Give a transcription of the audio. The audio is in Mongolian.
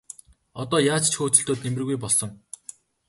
Одоо яаж ч хөөцөлдөөд нэмэргүй болсон.